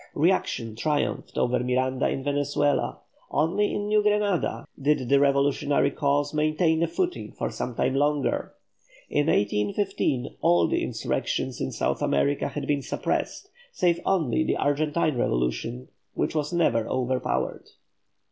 Reaction triumphed over Miranda in Venezuela; only in New Granada did the revolutionary cause maintain a footing for some time longer. In 1815 all the insurrections in South America had been suppressed, save only the Argentine revolution, which was never overpowered.